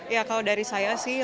ya kalau dari saya sih